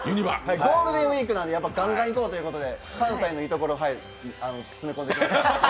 ゴールデンウイークなのでガンガンいこうということで関西のいいところを詰め込んできました。